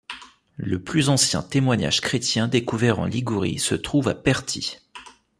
Le plus ancien témoignage chrétien découvert en Ligurie se trouve à Perti.